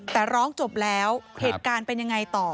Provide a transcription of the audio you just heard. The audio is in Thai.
แต่ร้องจบแล้วเหตุการณ์เป็นยังไงต่อ